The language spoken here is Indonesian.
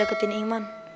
aku harus bisa deketin iman